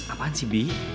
apaan sih bi